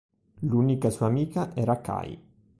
L'unica sua amica era Kai.